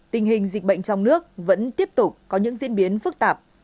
tình hình dịch bệnh trong nước vẫn tiếp tục có những diễn biến phức tạp